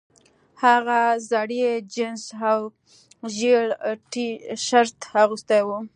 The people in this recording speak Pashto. هغه زړې جینس او ژیړ ټي شرټ اغوستی و